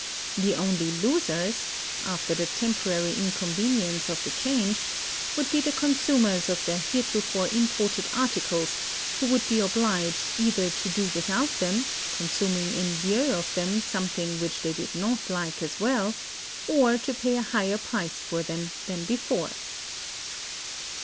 The only losers (after the temporary inconvenience of the change) would be the consumers of the heretofore imported articles, who would be obliged either to do without them, consuming in lieu of them something which they did not like as well, or to pay a higher price for them than before.